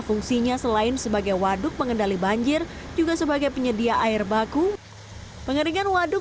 fungsinya selain sebagai waduk pengendali banjir juga sebagai penyedia air baku pengeringan waduk